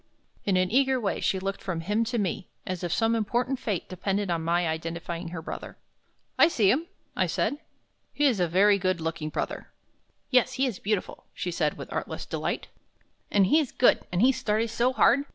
In an eager way she looked from him to me, as if some important fate depended on my identifying her brother. "I see him," I said. "He is a very good looking brother." "Yes, he is beautiful," she said, with artless delight, "and he's good, and he studies so hard.